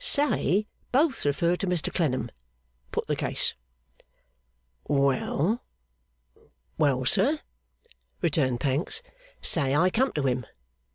Say, both refer to Mr Clennam. Put the case.' 'Well?' 'Well, sir,' returned Pancks, 'say, I come to him.